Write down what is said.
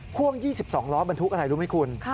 พ่วง๒๒ล้อบรรทุกอะไรรู้ไหมคุณ